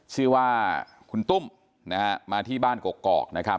ชื่อว่าคุณตุ้มนะฮะมาที่บ้านกกอกนะครับ